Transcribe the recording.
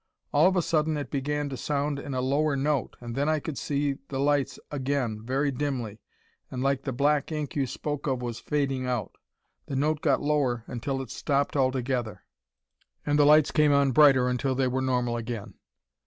All of a sudden it began to sound in a lower note and then I could see the lights again, very dimly and like the black ink you spoke of was fading out. The note got lower until it stopped altogether, and the lights came on brighter until they were normal again.